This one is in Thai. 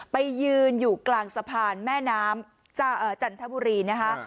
ไปยืนอยู่กลางสะพานแม่น้ำจันทบุรีนะคะ